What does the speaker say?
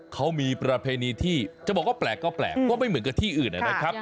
เขามีประเพณีที่จะบอกว่าแปลกก็แปลกก็ไม่เหมือนกับที่อื่นนะครับ